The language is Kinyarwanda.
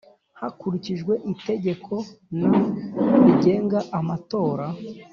Hakurikijwe Itegeko n rigenga amatora